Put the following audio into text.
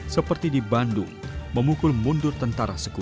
seperti di bandung memukul mundur tentara sekutu